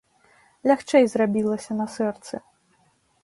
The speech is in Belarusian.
Лягчэй зрабілася на сэрцы.